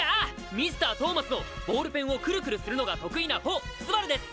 Ｍｒ．トーマスのボールペンをクルクルするのが得意なほう昴です！